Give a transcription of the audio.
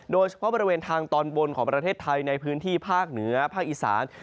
โดยเฉพาะบริเวณทางตอนบนของประเทศไทยในพื้นที่ภาคเหนือภาคอีสาน